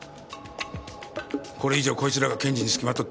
これ以上こいつらが検事につきまとっては困る。